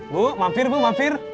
bu mampir bu mampir